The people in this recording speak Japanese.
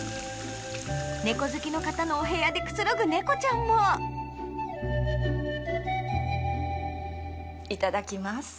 猫好きの方のお部屋でくつろぐ猫ちゃんもいただきます。